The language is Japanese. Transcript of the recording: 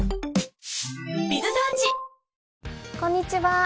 こんにちは。